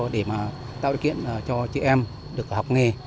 để mà tạo điều kiện cho chị em được học nghề